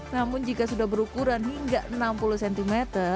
namun jika sudah berukuran hingga enam puluh cm